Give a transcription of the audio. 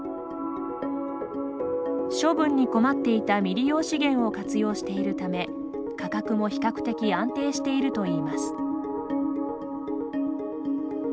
処分に困っていた未利用資源を活用しているため価格も比較的安定しているといいます。